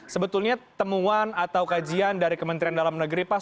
sebetulnya temuan atau kajian dari kementerian dalam negeri pak